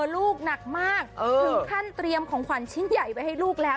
ลูกหนักมากถึงขั้นเตรียมของขวัญชิ้นใหญ่ไว้ให้ลูกแล้ว